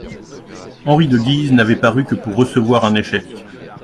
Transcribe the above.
Henri de Guise n'avait paru que pour recevoir un échec.